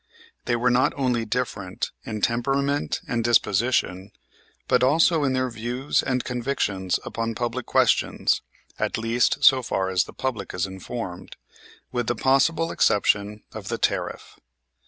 They were not only different in temperament and disposition, but also in their views and convictions upon public questions, at least, so far as the public is informed, with the possible exception of the tariff.